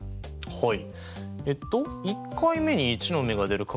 はい。